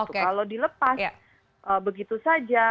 kalau dilepas begitu saja